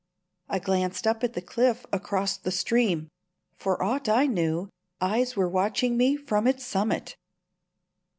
I glanced up at the cliff across the stream. For aught I knew, eyes were watching me from its summit.